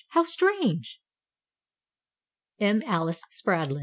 How strange!" M. Alice Spradlin.